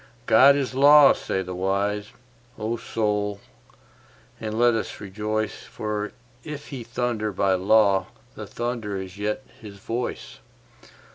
God is law, say the wise; O Soul, and let us rejoice, For if He thunder by law the thunder is yet His voice.